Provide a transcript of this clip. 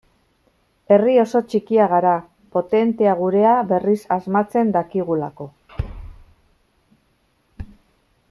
Herri oso txikia gara, potentea gurea berriz asmatzen dakigulako.